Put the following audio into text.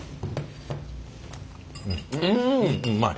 うんうまい。